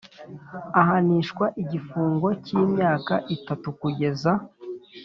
Ahanishwa igifungo cy imyaka itatu kugeza